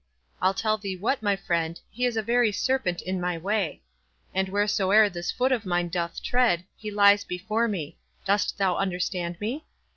—I'll tell thee what, my friend, He is a very serpent in my way; And wheresoe'er this foot of mine doth tread, He lies before me.—Dost thou understand me?